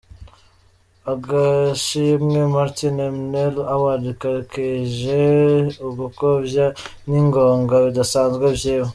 Agashimwe Martin Ennals Award kakeje ''ugukovya n'ingoga bidasanzwe vyiwe''.